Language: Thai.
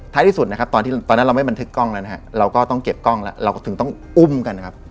ที่สุดนะครับตอนที่ตอนนั้นเราไม่บันทึกกล้องแล้วนะฮะเราก็ต้องเก็บกล้องแล้วเราก็ถึงต้องอุ้มกันนะครับ